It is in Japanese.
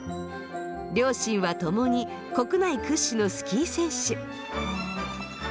両親は共に国内屈指のスキー選手。